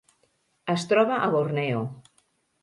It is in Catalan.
Es troba a Borneo.